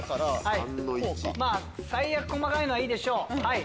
最悪細かいのはいいでしょう。